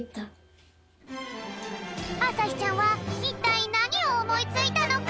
あさひちゃんはいったいなにをおもいついたのか？